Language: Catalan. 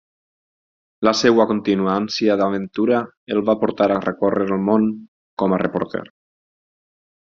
La seva contínua ànsia d'aventura el van portar a recórrer el món com a reporter.